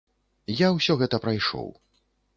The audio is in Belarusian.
Я ўсё гэта прайшоў.